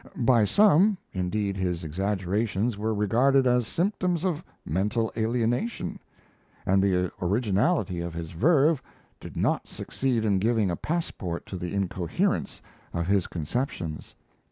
By some, indeed, his exaggerations were regarded as symptoms of mental alienation; and the originality of his verve did not succeed in giving a passport to the incoherence of his conceptions.